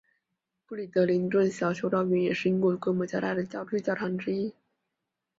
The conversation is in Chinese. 布里德灵顿小修道院也是英国规模较大的教区教堂之一。